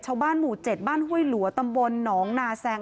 ชาวบ้านหมู่๗บ้านห้วยหลัวตำบลหนองนาแซง